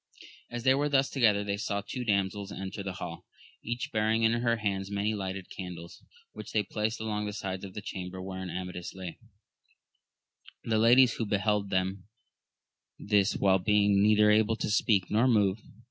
As they were thus together, they saw two damsels enter the hall, each bearing in her hands many lighted candles, which they placed along the sides of the chamber wherein Amadis lay ; the ladies who beheld them this while being neither able to speak nor move.